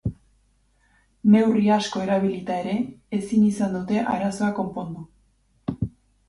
Neurri asko erabilita ere, ezin izan dute arazoa konpondu.